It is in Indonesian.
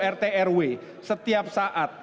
rt rw setiap saat